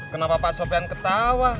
kenapa pak sopean ketawa